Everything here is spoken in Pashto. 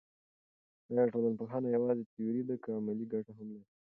آیا ټولنپوهنه یوازې تیوري ده که عملي ګټه هم لري.